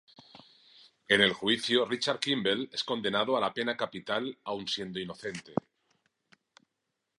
En el juicio Richard Kimble es condenado a la pena capital aún siendo inocente.